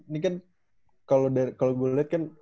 ini kan kalau gue lihat kan